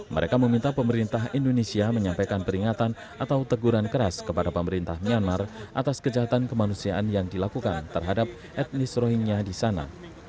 mereka meminta pemerintah indonesia menyampaikan peringatan atau teguran keras kepada pemerintah myanmar atas kejahatan kemanusiaan yang dilakukan terhadap etnis rohingya di sana